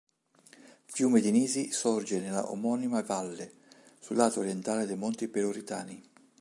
Fiumedinisi sorge nella omonima valle, sul lato orientale dei monti Peloritani.